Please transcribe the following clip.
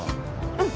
うん。